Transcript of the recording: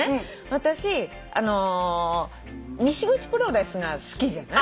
私西口プロレスが好きじゃない？